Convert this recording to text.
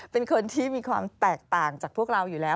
เป็นคนที่มีความแตกต่างจากพวกเราอยู่แล้ว